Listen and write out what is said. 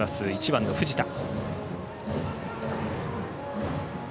１番、藤田。